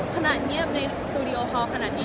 คณะเงียบเป็นสทุดิโอฮอล์ขนาดนี้